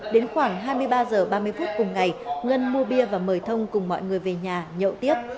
đến khoảng hai mươi ba h ba mươi phút cùng ngày ngân mua bia và mời thông cùng mọi người về nhà nhậu tiếp